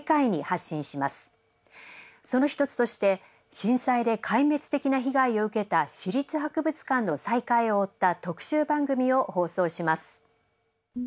その一つとして震災で壊滅的な被害を受けた市立博物館の再開を追った特集番組を放送します。